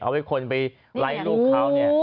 เอาให้คนไปไร้ลูกเขาเนี่ย